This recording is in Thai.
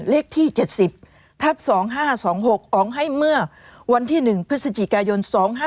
เลขที่๗๐ทับ๒๕๒๖ออกให้เมื่อวันที่๑พฤศจิกายน๒๕๖